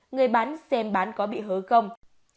người bán xem bán có bị hớ không